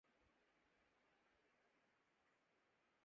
غنچۂ ناشگفتہ کو دور سے مت دکھا کہ یوں